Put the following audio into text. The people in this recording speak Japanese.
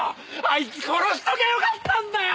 あいつ殺しときゃよかったんだよ！